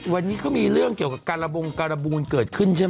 วันนี้เขามีเรื่องเกี่ยวกับการระบงการบูลเกิดขึ้นใช่ไหม